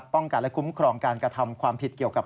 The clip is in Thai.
ป้องกันและคุ้มครองการกระทำความผิดเกี่ยวกับ